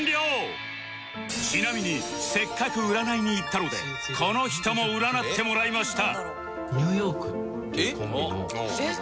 ちなみにせっかく占いに行ったのでこの人も占ってもらいました